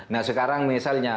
nah sekarang misalnya